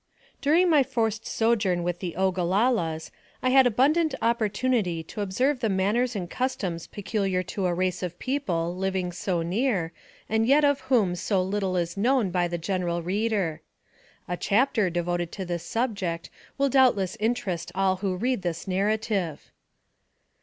DURING my forced sojourn with the Ogalallas, I had abundant opportunity to observe the manners and cus toms peculiar to a race of people living so near, and yet of whom so little is known by the general reader. A chapter devoted to this subject will doubtless inter est all who read this narrative.